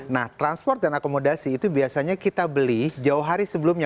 nah transport dan akomodasi itu biasanya kita beli jauh hari sebelumnya